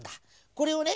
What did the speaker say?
これをね